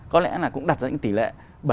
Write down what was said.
có lẽ là cũng đặt ra những tỷ lệ